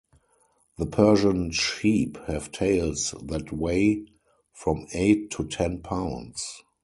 The Persian sheep have tails that weigh from eight to ten pounds.